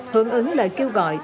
hưởng ứng lời kêu gọi